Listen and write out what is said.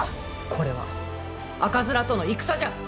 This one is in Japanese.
これは赤面との戦じゃ。